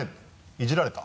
いじられた？